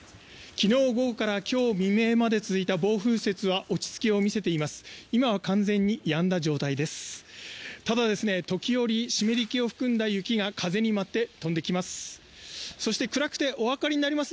昨日午後から今日未明まで続いた暴風雪は落ち着きを見せています。